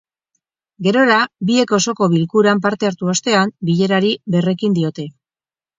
Gerora, biek osoko bilkuran parte hartu ostean, bilerari berrekin diote.